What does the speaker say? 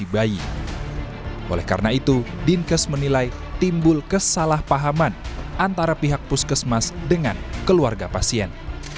begitu dinkes menilai timbul kesalahpahaman antara pihak puskesmas dengan keluarga pasien